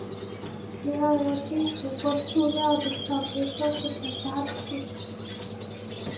主要由金属或塑料的小别针或小夹子组成。